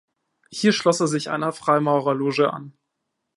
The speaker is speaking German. Hier schloss er sich einer Freimaurerloge an.